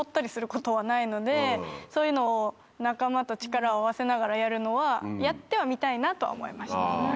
のでそういうのを仲間と力を合わせながらやるのはやってはみたいなとは思いました。